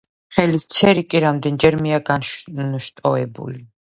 ხელის ცერი კი რამდენჯერმეა განშტოებული.